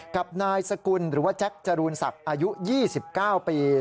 กับนายสกุลหรือว่าแจ็คจรูนศักดิ์อายุ๒๙ปี